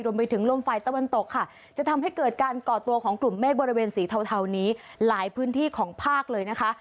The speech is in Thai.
รวมไปถึงลมไฟตะวันตกค่ะจะทำให้เกิดการก่อตัวของกลุ่มเมฆบริเวณสีเทานี้หลายพื้นที่ของภาคเลยนะคะ